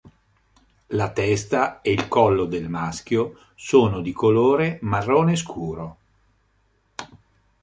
La testa e il collo del maschio sono di colore marrone scuro.